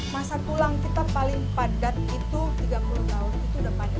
masa tulang kita paling padat itu tiga puluh tahun